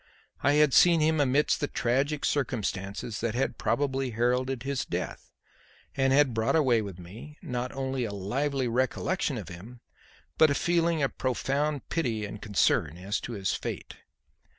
I had seen him amidst the tragic circumstances that had probably heralded his death, and had brought away with me, not only a lively recollection of him, but a feeling of profound pity and concern as to his fate.